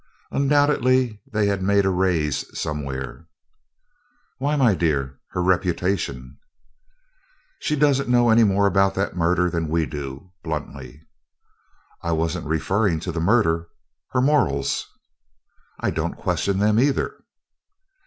Undoubtedly they had made a raise somewhere! "Why my dear her reputation!" "She doesn't know any more about that murder than we do," bluntly. "I wasn't referring to the murder her morals." "I don't question them, either."